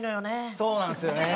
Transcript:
そうなんですよね。